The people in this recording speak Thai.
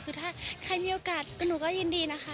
คือถ้าใครมีโอกาสก็หนูก็ยินดีนะคะ